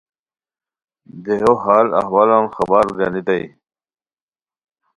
دیہو حال احوالان خبر گانیتائے